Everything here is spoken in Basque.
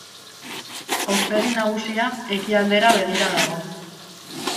Aurpegi nagusia ekialdera begira dago.